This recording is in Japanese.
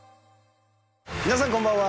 皆さんこんばんは。